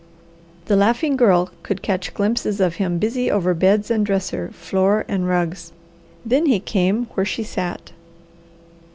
The laughing Girl could catch glimpses of him busy over beds and dresser, floor and rugs; then he came where she sat.